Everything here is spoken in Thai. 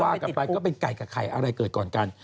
ว่ากันไปก็เป็นไก่กับไข่อะไรเกิดก่อนกัน